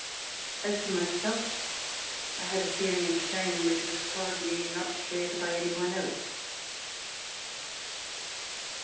As for myself, I had a feeling of shame which was probably not shared by any one else.